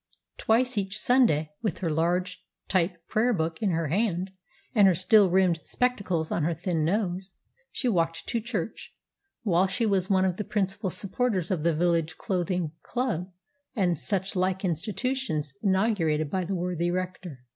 Twice each Sunday, with her large type Prayer book in her hand, and her steel rimmed spectacles on her thin nose, she walked to church, while she was one of the principal supporters of the village clothing club and such like institutions inaugurated by the worthy rector.